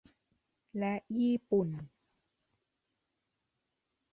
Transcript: และญี่ปุ่น